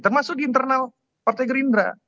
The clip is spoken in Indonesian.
termasuk di internal partai gerindra